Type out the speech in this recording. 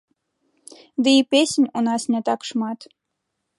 Ды і песень у нас не так шмат.